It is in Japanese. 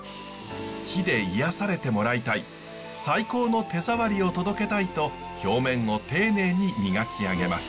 木で癒やされてもらいたい最高の手触りを届けたいと表面を丁寧に磨き上げます。